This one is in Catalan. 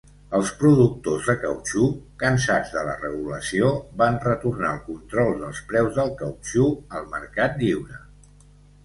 Els productors de cautxú, cansats de la regulació, van retornar el control dels preus del cautxú al mercat lliure.